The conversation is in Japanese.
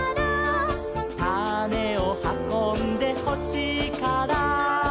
「たねをはこんでほしいから」